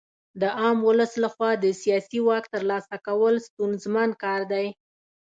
د عام ولس لخوا د سیاسي واک ترلاسه کول ستونزمن کار دی.